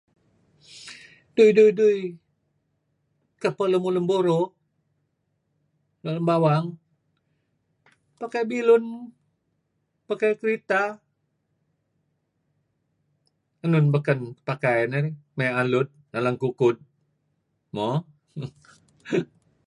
Dui...dui...dui... kapeh lemulun buro? Let lem bawang? Pakai bilun, pakai kerita. Enun beken pakai narih? Maya' alud, nalan kukud, Mo.